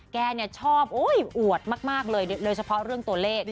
แกชอบอวดมากเลยโดยเฉพาะเรื่องตัวเลข